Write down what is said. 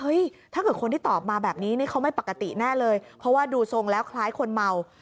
ถ้าเกิดคนที่ตอบมาแบบนี้นี่เขาไม่ปกติแน่เลยเพราะว่าดูทรงแล้วคล้ายคนเมา